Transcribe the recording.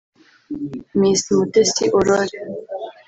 Miss Mutesi Aurore